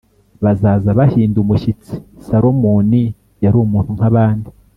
bazaza bahinda umushyitsi, Salomoni yari umuntu nk’abandi